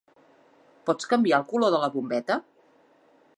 Pots canviar el color de la bombeta?